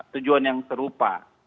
tujuan yang serupa